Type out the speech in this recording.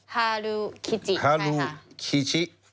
ฮารุคิชิใช่ค่ะฮารุคิชิ